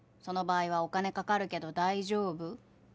その場合はお金かかるけど大丈夫？